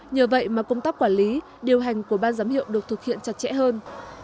nhờ vậy mà công tác quản lý điều hành của ban giám hiệu được thực hiện chặt chẽ hơn